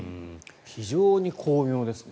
非常に巧妙ですね。